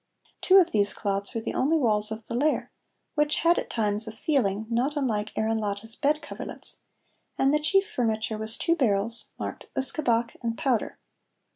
Two of these clods were the only walls of the lair, which had at times a ceiling not unlike Aaron Latta's bed coverlets, and the chief furniture was two barrels, marked "Usquebach" and "Powder."